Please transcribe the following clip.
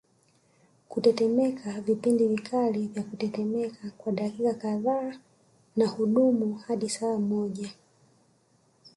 Kutetemeka vipindi vikali vya kutetemeka kwa dakika kadhaa na hudumu hadi saa moja